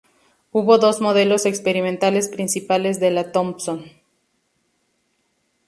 Hubo dos modelos experimentales principales de la Thompson.